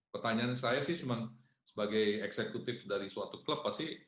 pertanyaan saya sih cuma sebagai eksekutif dari suatu klub pasti